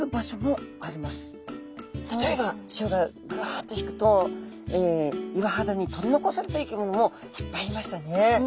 例えば潮がグワッと引くと岩肌に取り残された生き物もいっぱいいましたね。